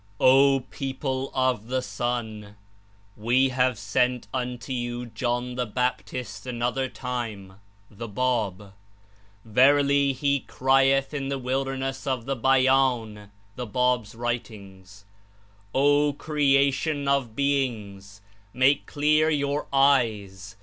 "O people ot the Son! We have sent unto you John (the Baptist) another time (the Bab). Verily, he crieth in the wilderness of the Beyan (the Bab's writings), 'O creation of beings! Make clear your eyes.